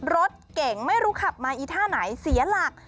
รถเก่งไม่รู้ขับมาอีท่าไหนเสียหลัก